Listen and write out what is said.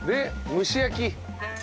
蒸し焼き。